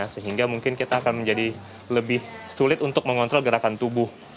sehingga mungkin kita akan menjadi lebih sulit untuk mengontrol gerakan tubuh